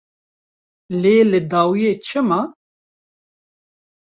Lê li dawiyê çi ma?